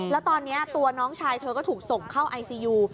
แล้วตอนนี้ตัวน้องชายเธอก็ถูกส่งเข้าไอซียู